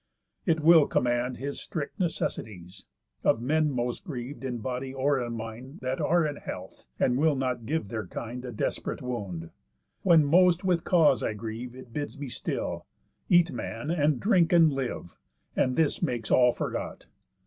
_ It will command his strict necessities, Of men most griev'd in body or in mind, That are in health, and will not give their kind A desp'rate wound. When most with cause I grieve, It bids me still, Eat, man, and drink, and live; And this makes all forgot.